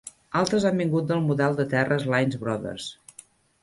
Altres han vingut del model de terres Lines Brothers.